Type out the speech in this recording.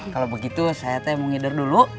kalau begitu saya teh mau ngider dulu